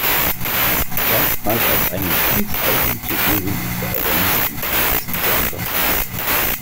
Erstmals auf einem Kinks-Album zu hören ist der Organist und Pianist John Gosling.